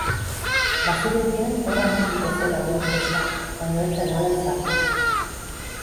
Bazirudien hor amaituko zela gol festa, baina ez zen ala izan.